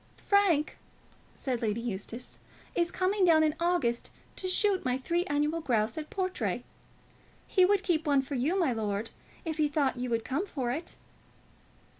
"Frank," said Lady Eustace, "is coming down in August to shoot my three annual grouse at Portray. He would keep one for you, my lord, if he thought you would come for it."